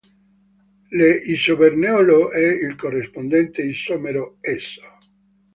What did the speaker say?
L'isoborneolo è il corrispondente isomero "eso".